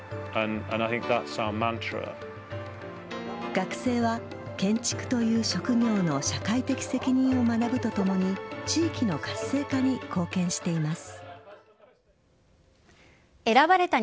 学生は建築という職業の社会的責任を学ぶとともに地域の活性化に貢献しています。